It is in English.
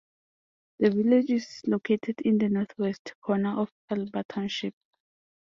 The village is located in the northwest corner of Elba Township.